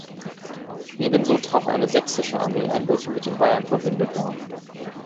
Ebenso traf eine sächsische Armee ein, welche mit den Bayern verbündet war.